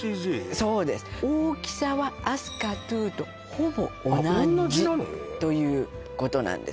そうです大きさは飛鳥Ⅱとほぼ同じ同じなの？ということなんです